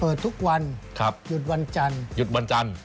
เปิดทุกวันยุดวันจันทร์